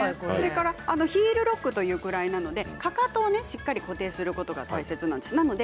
ヒールロックというくらいなので、かかとをしっかり固定することが大事です。